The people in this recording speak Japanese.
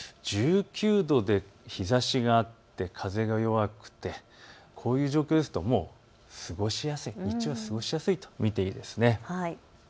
１９度で日ざしがあって風が弱くてこういう状況ですと過ごしやすいと見ていいです。